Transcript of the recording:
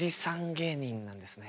芸人なんですね。